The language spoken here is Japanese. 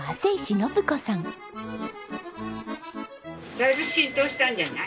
だいぶ浸透したんじゃない？